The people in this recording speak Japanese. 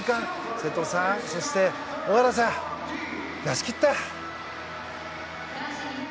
瀬戸さん、小方さん出し切った！